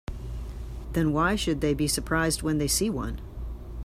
Then why should they be surprised when they see one?